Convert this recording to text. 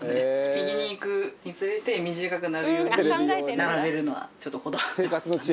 右にいくにつれて短くなるように並べるのはちょっとこだわってますかね。